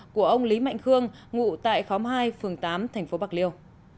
của ông lý mạnh khương ngụ tại khóm hai phường tám tp bạc liêu